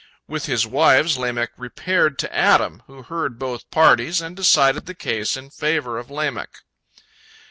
With his wives, Lamech repaired to Adam, who heard both parties, and decided the case in favor of Lamech.